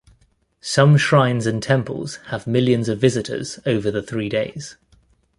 Some shrines and temples have millions of visitors over the three days.